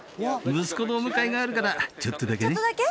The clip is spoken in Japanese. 息子のお迎えがあるからちょっとだけねちょっとだけ？